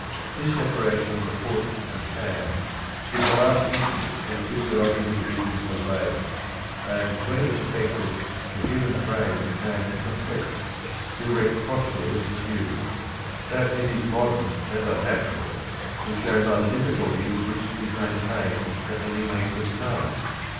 This separation of the foot and hand is the last instance of the physiological division of labour; and when it was effected, the human frame became complete. The erect posture was assumed; that it is modern and unnatural is shown by the difficulty with which it is maintained for any length of time.